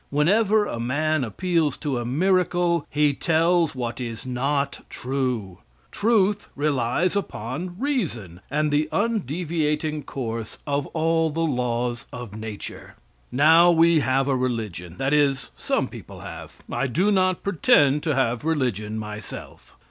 Whenever a man appeals to a miracle he tells what is not true. Truth relies upon reason, and the undeviating course of all the laws of nature. Now, we have a religion that is, some people have. I do not pretend to have religion myself.